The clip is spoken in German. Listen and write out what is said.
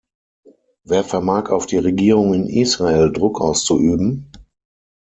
Wer vermag auf die Regierung in Israel Druck auszuüben?